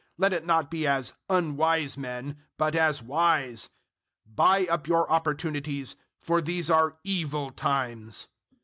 Let it not be as unwise men, but as wise. 005:016 Buy up your opportunities, for these are evil times.